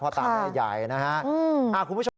เพราะตามใหญ่นะครับ